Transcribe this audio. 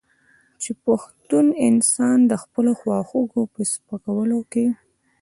چې پښتون انسان د خپلو خواخوږو په سپکولو کې.